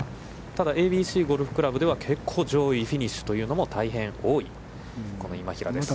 ただ、ＡＢＣゴルフ倶楽部では結構上位フィニッシュというのも大変多い、この今平です。